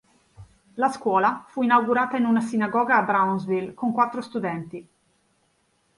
La scuola fu inaugurata in una sinagoga a Brownsville con quattro studenti.